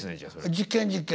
実験実験。